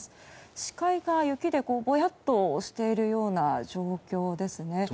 視界が雪でぼやっとしている状況ですね。